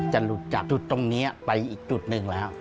หลุดจากจุดตรงนี้ไปอีกจุดหนึ่งแล้ว